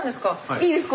いいですか？